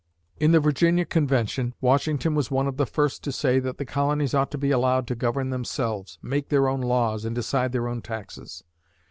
In the Virginia Convention, Washington was one of the first to say that the colonies ought to be allowed to govern themselves, make their own laws and decide their own taxes.